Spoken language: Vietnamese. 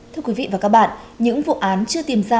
thưa quý vị và các bạn những vụ án chưa tìm ra